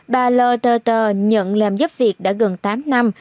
bà lờ tờ tờ nhận làm giúp việc đã gần tám năm